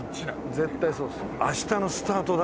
絶対そうです。